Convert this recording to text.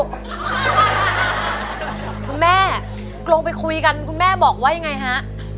คุณแม่ลงไปคุยกันคุณแม่บอกว่ายังไงฮะ